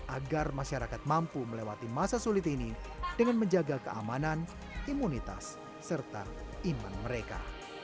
agar masyarakat mampu melewati masa sulit ini dengan menjaga keamanan imunitas serta iman mereka